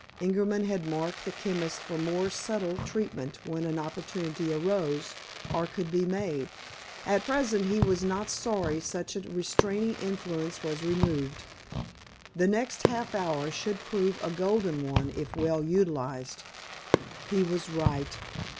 Ingerman had marked the chemist for more subtle treatment when an opportunity arose, or could be made. At present, he was not sorry such a restraining influence was removed. The next half hour should prove a golden one if well utilized. He was right.